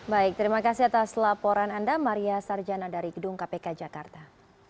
baik terima kasih atas laporan anda maria sarjana dari gedung kpk jakarta